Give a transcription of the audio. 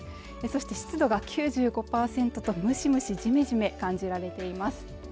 そして湿度が９５％とムシムシジメジメ感じられています